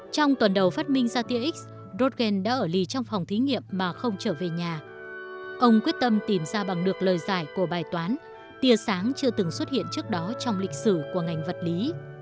trong tuần đầu phát minh ra tia x bogen đã ở ly trong phòng thí nghiệm mà không trở về nhà ông quyết tâm tìm ra bằng được lời giải của bài toán tìa sáng chưa từng xuất hiện trước đó trong lịch sử của ngành vật lý